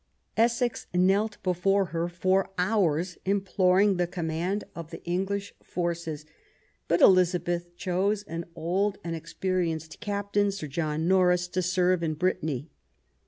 Essex knelt before her for hours, imploring the command of the English forces ; but Elizabeth chose an old and experienced captain, Sir John Norris, to serve in Brittany.